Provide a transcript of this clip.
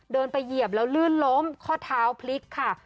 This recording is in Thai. เดินไปเหยียบแล้วลื่นล้มข้อเท้าพลิกค่ะ